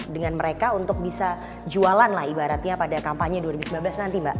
dengan mereka untuk bisa jualan lah ibaratnya pada kampanye dua ribu sembilan belas nanti mbak